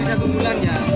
lebih satu bulan ya